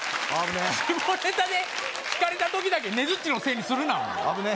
いや下ネタで引かれた時だけねづっちのせいにするなお前危ねえ